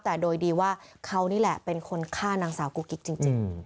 แต่โดยดีว่าเขานี่แหละเป็นคนฆ่านางสาวกุ๊กกิ๊กจริง